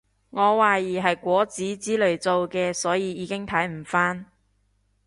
我懷疑係果籽之類做嘅所以已經睇唔返